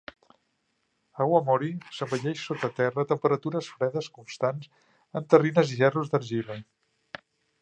"Awamori" s'envelleix sota terra a temperatures fredes constants en terrines i gerros d'argila.